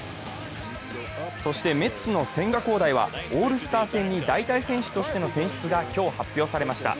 そしてメッツの千賀滉大はオールスター戦に代替選手としての選出が今日発表されました。